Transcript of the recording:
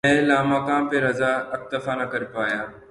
مَیں لامکاں پہ رضاؔ ، اکتفا نہ کر پایا